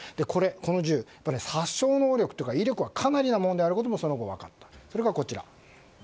この銃は殺傷能力威力はかなりのものであることもその後分かった。